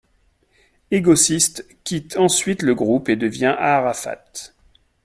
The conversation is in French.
Egosyst quitte ensuite le groupe et devient Aarafat.